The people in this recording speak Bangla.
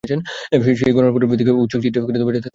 সেই গণনাফলের দিকে উৎসুকচিত্তে সে তাকিয়ে রইল।